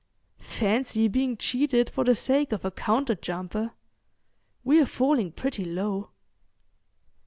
Fancy being cheated for the sake of a counter jumper! We're falling pretty low."